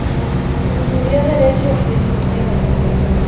Estudió derecho en Burdeos.